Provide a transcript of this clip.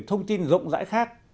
thông tin rộng rãi khác